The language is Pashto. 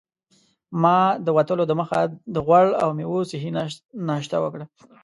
ما د وتلو دمخه د غوړ او میوو صحي ناشته وکړه.